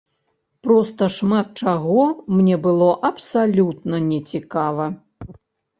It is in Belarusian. Проста шмат чаго мне было абсалютна не цікава.